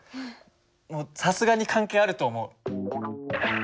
もうさすがに関係あると思う。